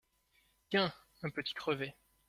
Tiens ! un petit crevé !